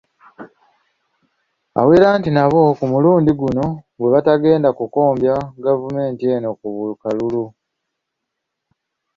Awera nti nabo ku mulundi guno bwe batagenda kukombya gavumenti eno ku kalulu.